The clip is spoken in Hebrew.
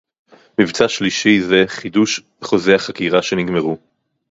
מבצע שלישי זה חידוש חוזי החכירה שנגמרו